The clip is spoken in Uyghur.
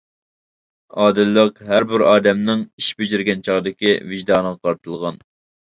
ئادىللىق ھەر بىر ئادەمنىڭ ئىش بېجىرگەن چاغدىكى ۋىجدانىغا قارىتىلغان.